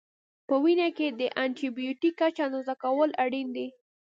په وینه کې د انټي بیوټیک کچه اندازه کول اړین دي.